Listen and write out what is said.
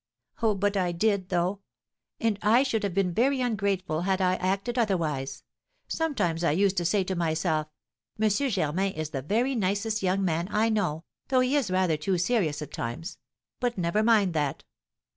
"Oh, but I did, though; and I should have been very ungrateful had I acted otherwise. Sometimes I used to say to myself, 'M. Germain is the very nicest young man I know, though he is rather too serious at times; but never mind that.